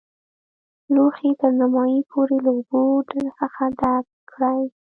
لوښی تر نیمايي پورې له اوبو څخه ډک کړئ.